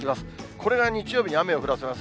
これが日曜日に雨を降らせます。